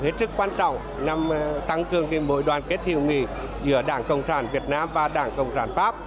hết sức quan trọng nhằm tăng cường mối đoàn kết hiệu nghị giữa đảng cộng sản việt nam và đảng cộng sản pháp